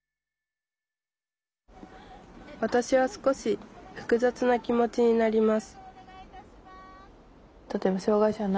わたしは少し複雑な気持ちになります